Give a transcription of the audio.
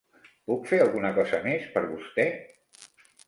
Puc fer alguna cosa més per vostè?